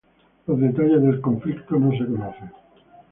Los detalles del conflicto no se conocen.